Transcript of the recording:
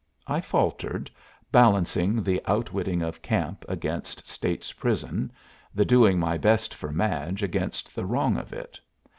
I faltered, balancing the outwitting of Camp against State's prison, the doing my best for Madge against the wrong of it.